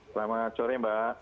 selamat sore mbak